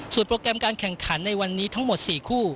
โปรแกรมการแข่งขันในวันนี้ทั้งหมด๔คู่